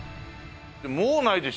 もうないでしょ？